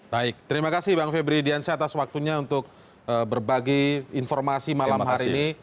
baik terima kasih bang febri diansyah atas waktunya untuk berbagi informasi malam hari ini